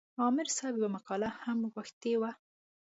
عامر صاحب یوه مقاله هم غوښتې وه.